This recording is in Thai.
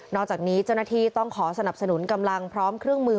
จากนี้เจ้าหน้าที่ต้องขอสนับสนุนกำลังพร้อมเครื่องมือ